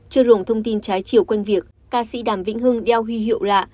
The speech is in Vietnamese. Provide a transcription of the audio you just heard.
chưa luồng thông tin trái chiều quanh việc ca sĩ đàm vĩnh hưng đeo huy hiệu lạ